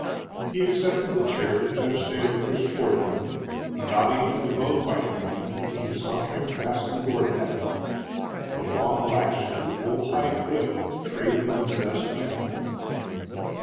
He accepted the chair that Judge Thayer pushed toward him, nodding to the bone wagon man who came sauntering past the door at that moment, the long lash of his bullhide whip trailing in the dust behind him.